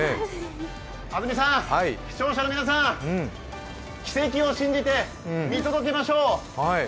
安住さん、視聴者の皆さん、奇跡を信じて見届けましょう。